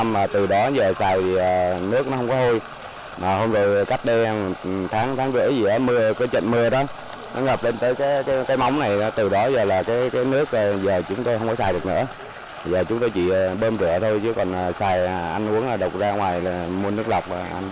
bây giờ chúng tôi chỉ bơm rửa thôi chứ còn xài ăn uống là đục ra ngoài mua nước lọc